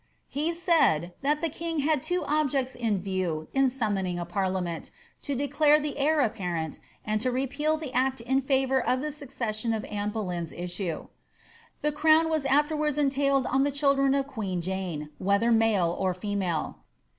He said, ^ that the king had two objects io Tiew in summoning a parliament, to declare the heir apparent, and to repeal the act in &Tour of the succession of Anne Boleyn's issue." The crown was afterwards entailed on the children of queen Jane, whether male or female.